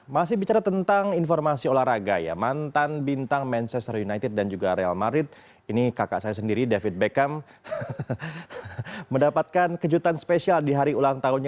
masih bicara tentang informasi olahraga ya mantan bintang manchester united dan juga real madrid ini kakak saya sendiri david beckham mendapatkan kejutan spesial di hari ulang tahunnya